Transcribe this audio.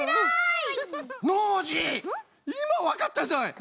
いまわかったぞい！